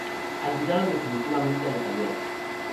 Ayudaron definitivamente a los Aliados.